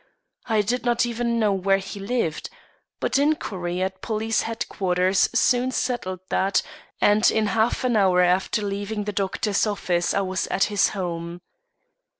I did not even know where he lived. But inquiry at police headquarters soon settled that, and in half an hour after leaving the doctor's office I was at his home.